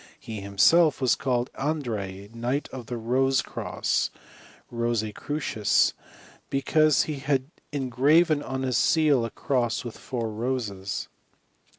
He himself was called Andreae, Knight of the Rose cross (ro5<p crucis) because he had engraven on his seal a cross with four roses.